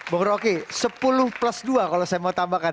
bung roky sepuluh plus dua kalau saya mau tambahkan